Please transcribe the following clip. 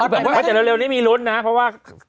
แต่ว่าแต่เร็วนี้มีลุ้นนะเพราะว่า